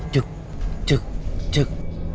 cuk cuk cuk